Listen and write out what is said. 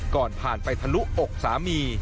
ก่อนผ่านไปทะลุอกสามี